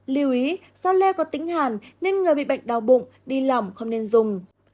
liêu ý do lê có tính hàn nên người bị bệnh đau bụng đi lỏng không nên dùng